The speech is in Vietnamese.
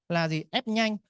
là gì ép nhanh